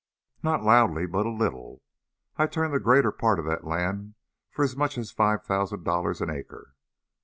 "Not loudly, but a little. I turned the greater part of that land for as much as five thousand dollars an acre.